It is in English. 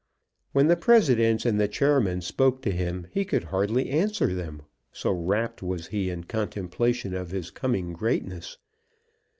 When the presidents and the chairmen spoke to him, he could hardly answer them, so rapt was he in contemplation of his coming greatness.